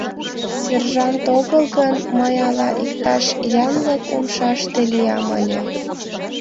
— Сержант огыл гын, мый ала иктаж янлык умшаште лиям ыле.